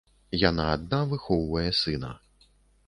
Яна адна выхоўвае сына.